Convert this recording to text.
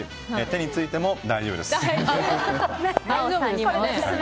手についても大丈夫です。